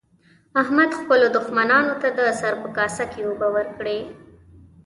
احمد خپلو دوښمنانو ته د سره په کاسه کې اوبه ورکړې.